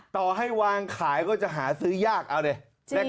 ต่อให้วางขายก็จะหาซื้อยากเอาดิ